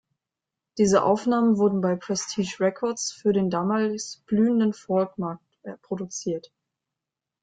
Diese Aufnahmen wurden bei Prestige Records für den damals blühenden Folk-Markt produziert.